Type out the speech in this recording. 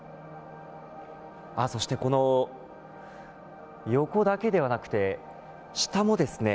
そして横だけではなくて下もですね